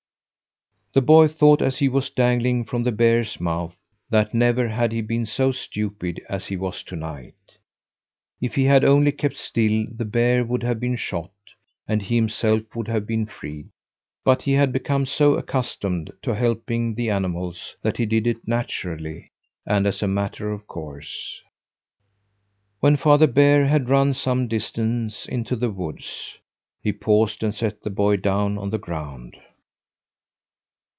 The boy thought, as he was dangling from the bear's mouth, that never had he been so stupid as he was to night. If he had only kept still, the bear would have been shot, and he himself would have been freed. But he had become so accustomed to helping the animals that he did it naturally, and as a matter of course. When Father Bear had run some distance into the woods, he paused and set the boy down on the ground.